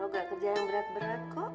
kalo nggak kerja yang berat berat kok